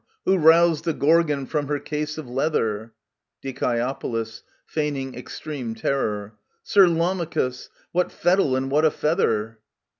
Who roused the Gorgon from her case of leather ? Dk. {feigning extreme terror). Sir Lamachus ! What fettle and what a feather